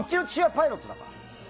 パイロットだから。